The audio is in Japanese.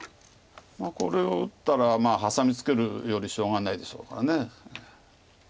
これを打ったらハサミツケるよりしょうがないでしょうから。